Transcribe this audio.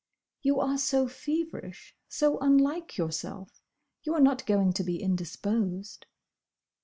"You are so feverish—so unlike yourself—! You are not going to be indisposed?"